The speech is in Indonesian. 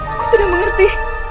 aku tidak mengerti